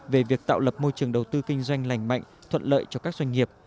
về việc tạo lập môi trường đầu tư kinh doanh lành mạnh thuận lợi cho các doanh nghiệp